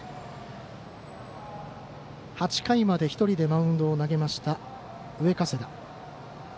８回まで１人でマウンドを投げました